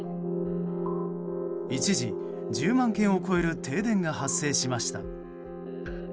一時１０万軒を超える停電が発生しました。